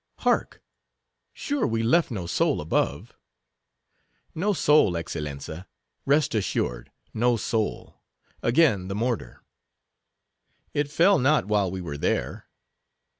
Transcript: "Hark!—sure we left no soul above?" "No soul, Excellenza; rest assured, no soul—Again the mortar." "It fell not while we were there."